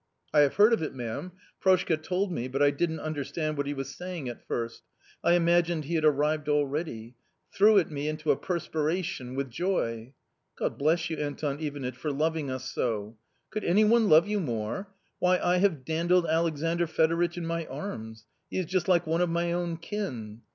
"I have heard of it, ma'am; Proshka told me, but I didn't understand what he was saying at first ; I imagined he had arrived already; threw it me into a perspiration with joy !»" God bless you, Anton Ivanitch, for loving us so." " Could any one love you more ? Why, I have dandled Alexandr Fedoritch in my arms ; he is just like one of my own kin."